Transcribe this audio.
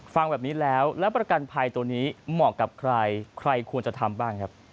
ฟังแบบนี้แล้วแล้วประกันภัยตัวนี้เหมาะกับใครใครควรจะทำบ้างครับ